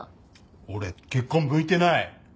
俺結婚向いてない。